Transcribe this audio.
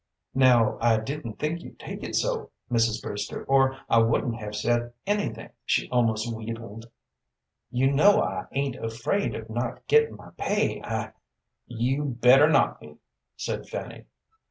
"Now, I didn't think you'd take it so, Mrs. Brewster, or I wouldn't have said anything," she almost wheedled. "You know I ain't afraid of not gettin' my pay, I " "You'd better not be," said Fanny.